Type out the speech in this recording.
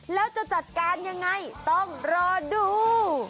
แล้วจะจัดการยังไงต้องรอดู